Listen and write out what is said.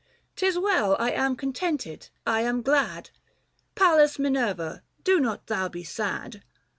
'Tis well — I am cod tented, I am glad : Pallas Minerva do not thou be sad